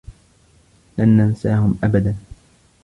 لن ننساهم أبدا.